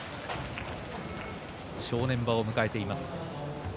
正念場を迎えています。